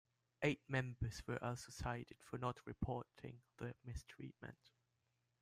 Eight members were also cited for not reporting the mistreatment.